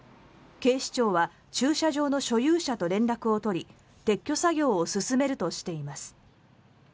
警視庁は駐車場の所有者と連絡を取り撤去作業を進めるとしています。